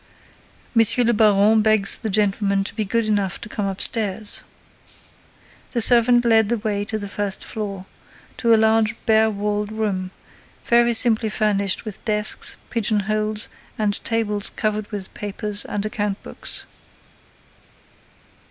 "Monsieur le baron begs the gentlemen to be good enough to come upstairs." The servant led the way to the first floor, to a large, bare walled room, very simply furnished with desks, pigeon holes and tables covered with papers and account books.